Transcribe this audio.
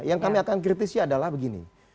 yang kami akan kritisi adalah begini